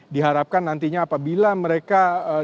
diharapkan nantinya apabila mereka